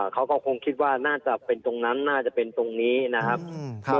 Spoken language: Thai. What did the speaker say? เขาก็คงคิดว่าน่าจะเป็นตรงนั้นน่าจะเป็นตรงนี้นะครับ